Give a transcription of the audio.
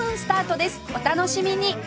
お楽しみに！